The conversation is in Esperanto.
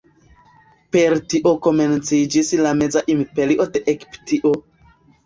Per tio komenciĝis la Meza Imperio de Egiptio.